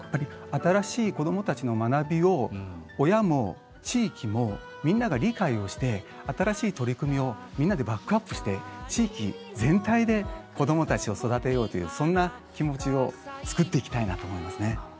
新しい子どもたちの学びを親も地域もみんなが理解をして新しい取り組みをみんなでバックアップして地域全体で子どもたちを育てようというそんな気持ちをつくっていきたいなと思いますね。